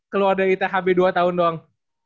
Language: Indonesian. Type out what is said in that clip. keluar dari ithb dua tahun doang